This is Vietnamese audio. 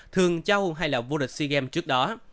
thường châu hay là vua địch sea games trước đó